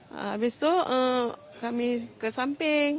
habis itu kami ke samping